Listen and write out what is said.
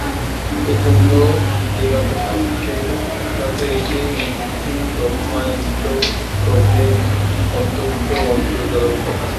এইজন্য বেদান্তশাস্ত্রের সিদ্ধান্ত এই যে, এই নিখিল ব্রহ্মাণ্ড ব্রহ্মে অধ্যস্ত ইন্দ্রজালবৎ ভাসমান।